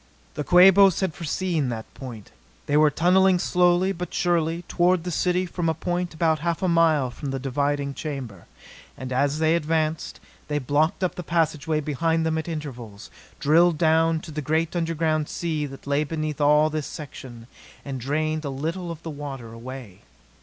The Quabos had foreseen that point. They were tunneling slowly but surely toward the city from a point about half a mile from the diving chamber. And as they advanced, they blocked up the passageway behind them at intervals, drilled down to the great underground sea that lay beneath all this section, and drained a little of the water away.